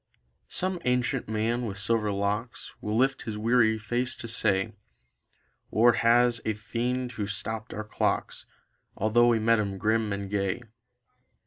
Some ancient man with silver locks Will lift his weary face to say: "War was a fiend who stopped our clocks Although we met him grim and gay."